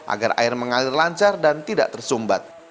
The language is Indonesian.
agar air mengalir lancar dan tidak tersumbat